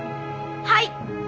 はい！